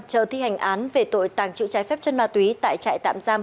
chờ thi hành án về tội tàng trữ trái phép chân ma túy tại trại tạm giam